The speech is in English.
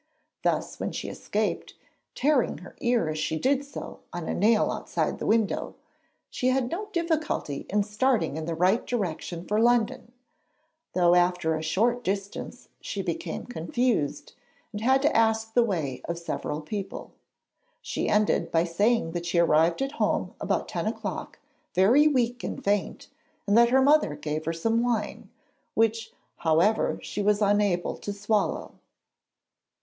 Thus, when she escaped, tearing her ear as she did so on a nail outside the window, she had no difficulty in starting in the right direction for London, though after a short distance she became confused, and had to ask the way of several people. She ended by saying that she arrived at home about ten o'clock very weak and faint, and that her mother gave her some wine, which however she was unable to swallow.